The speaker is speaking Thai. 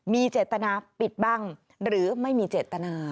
มีเจตนาปิดบังหรือไม่มีเจตนา